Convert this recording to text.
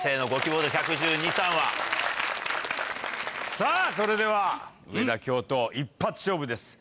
さぁそれでは上田教頭一発勝負です。